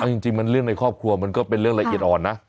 เอาจริงมันเรื่องในครอบครัวมันก็เป็นเรื่องละเอียดอ่อนนะ